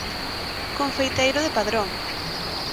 Confeiteiro de Padrón.